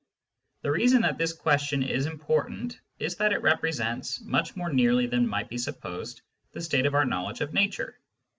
The reason that this question is important is that it represents, much more nearly than might be supposed, the state of our knowledge of nature.